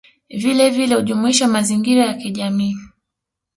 Vilevile hujumuisha mazingira ya kijamii